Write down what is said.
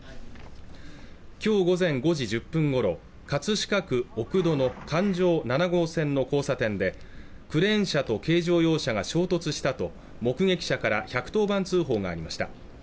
今日午前５時１０分ごろ葛飾区奥戸の環状７号線の交差点でクレーン車と軽乗用車が衝突したと目撃者から１１０番通報がありました